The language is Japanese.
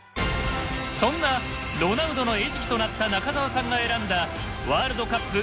そんなロナウドの餌食となった中澤さんが選んだワールドカップ